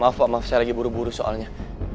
maaf pak maaf saya lagi buru buru soalnya